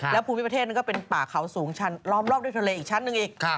แล้วภูมิประเทศนั้นก็เป็นป่าเขาสูงชั้นล้อมรอบด้วยทะเลอีกชั้นหนึ่งอีก